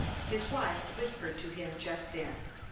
His wife whispered to him just then.